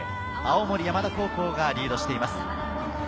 青森山田高校がリードしています。